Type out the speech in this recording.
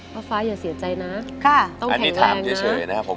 พ่อฟ้าอย่าเสียใจนะอันนี้ถามเฉยนะครับ